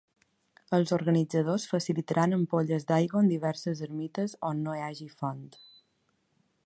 Els organitzadors facilitaran ampolles d’aigua en diverses ermites on no hi haja font.